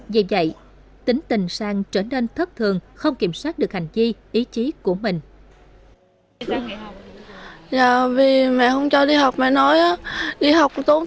vì vậy tính tình sang trở nên thất thường không kiểm soát được hành chi ý chí của mình